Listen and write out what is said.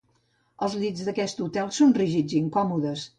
Els llits d'aquest hotel són rígids i incòmodes.